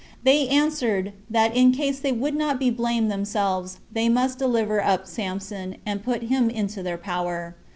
They answered, that in case they would not be blamed themselves, they must deliver up Samson, and put him into their power.